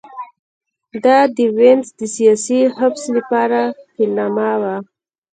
دا د وینز د سیاسي حبس لپاره پیلامه وه